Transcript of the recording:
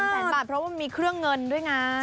แสนบาทเพราะว่ามันมีเครื่องเงินด้วยไง